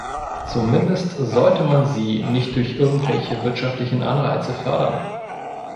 Zumindest sollte man sie nicht durch irgendwelche wirtschaftlichen Anreize fördern.